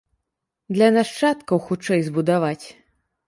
Для нашчадкаў хутчэй збудаваць.